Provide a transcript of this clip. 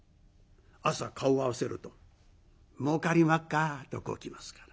朝顔を合わせると「もうかりまっか」とこう来ますから。